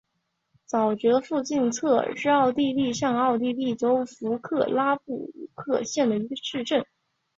沼泽附近策尔是奥地利上奥地利州弗克拉布鲁克县的一个市镇。